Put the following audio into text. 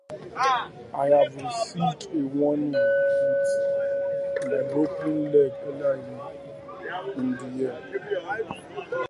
I had received a warning with my broken leg earlier in the year.